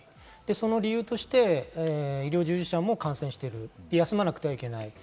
その理由として医療従事者も感染している、休まなくてはいけない。